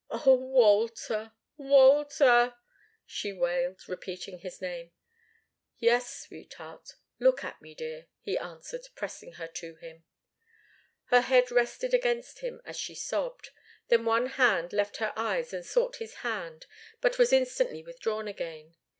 "Oh, Walter, Walter!" she wailed, repeating his name. "Yes sweetheart look at me, dear," he answered, pressing her to him. Her head rested against him as she sobbed. Then one hand left her eyes and sought his hand, but was instantly withdrawn again.